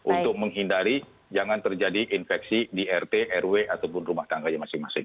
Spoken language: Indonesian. untuk menghindari jangan terjadi infeksi di rt rw ataupun rumah tangganya masing masing